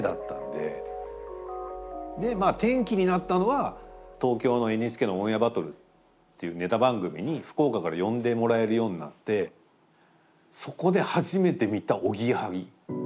でまあ転機になったのは東京のＮＨＫの「オンエアバトル」っていうネタ番組に福岡から呼んでもらえるようになってそこで初めて見たおぎやはぎ。